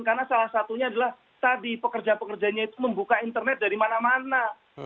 karena salah satunya adalah tadi pekerja pekerjanya itu membuka internet dari mana mana